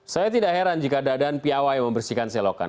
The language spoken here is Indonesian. saya tidak heran jika dadan piawai membersihkan selokan